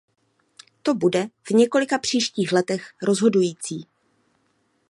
To bude v několika příštích letech rozhodující.